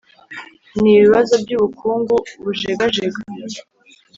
Ni ibibazo by’ubukungu bujegajega